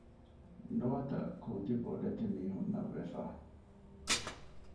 ނުވަތަ ކުދި ބޮޑެތި މީހުންނަށް ވެފަ